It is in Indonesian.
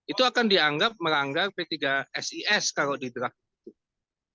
itu akan dianggap meranggar p tiga sis kalau didragun